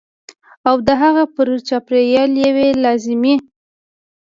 او د هغه پر چاپېر یوې لازمي